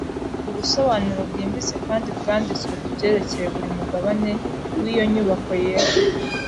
Ubusobanuro bwimbitse kandi bwanditswe ku byerekeye buri mugabane w’iyo nyubako yera,